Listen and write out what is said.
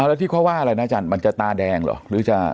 แล้วที่เขาว่าอะไรนะอาจารย์มันจะตาแดงเหรอหรือจะ